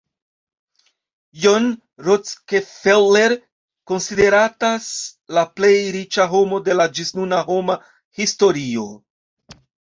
John Rockefeller konsideratas la plej riĉa homo de la ĝisnuna homa historio.